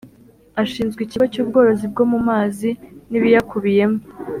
Ashinzwe ikigo cy’ubworozi bwo mu mazi n’ibiyakubiyemo